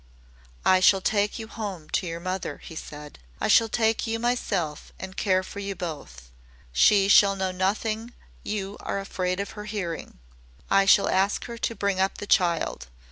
"I shall take you home to your mother," he said. "I shall take you myself and care for you both. She shall know nothing you are afraid of her hearing. I shall ask her to bring up the child.